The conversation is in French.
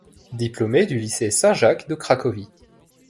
Diplômé du Lycée Saint-Jacques de Cracovie.